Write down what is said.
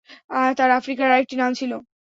তার আফ্রিকী আরেকটি নাম ছিল।